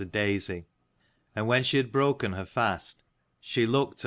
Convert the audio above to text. A a daisy : and when she had DOOR broken her fast she looked to DOOM.